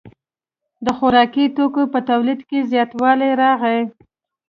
د خوراکي توکو په تولید کې زیاتوالی راغی.